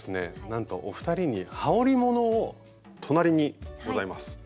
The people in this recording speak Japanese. なんとお二人にはおりものを隣にございます